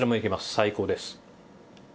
最高です。